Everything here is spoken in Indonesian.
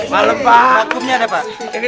markumnya ada pak